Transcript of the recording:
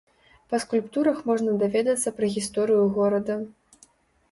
Па скульптурах можна даведацца пра гісторыю горада.